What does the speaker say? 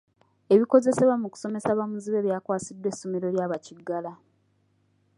Ebikozesebwa mu kusomesa bamuzibe byakwasiddwa essomero lya bakiggala.